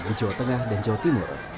di jawa tengah dan jawa timur